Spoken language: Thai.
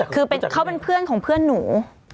คือเขาเป็นเพื่อนของเพื่อนหนู